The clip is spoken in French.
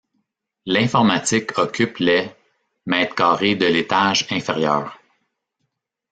L'informatique occupe les mètres carrés de l'étage inférieur.